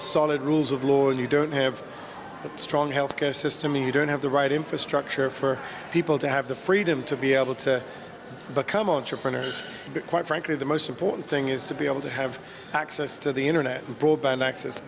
yang terpenting bagi indonesia adalah ekosistem bisnis yang aman dan kebebasan bagi warganya untuk berwirausaha menggunakan teknologi digital dengan nyaman